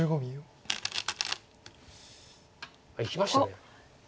おっいきました。